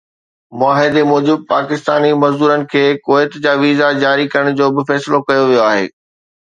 معاهدي موجب پاڪستاني مزدورن کي ڪويت جا ويزا جاري ڪرڻ جو به فيصلو ڪيو ويو آهي